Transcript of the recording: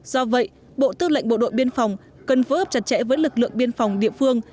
do vậy bộ tư lệnh bộ đội biên phòng cần phối hợp chặt chẽ với lực lượng biên phòng địa phương